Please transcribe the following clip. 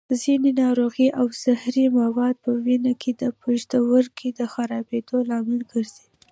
ځینې ناروغۍ او زهري مواد په وینه کې د پښتورګو د خرابېدو لامل ګرځي.